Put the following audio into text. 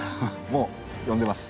もう呼んでます。